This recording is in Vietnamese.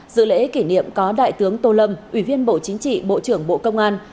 dự lễ kỷ niệm có đại tướng tô lâm ủy viên bộ chính trị bộ trưởng bộ công an